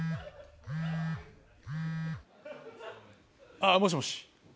ああもしもし？